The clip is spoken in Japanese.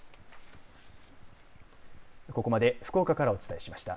ここまで福岡からお伝えしました。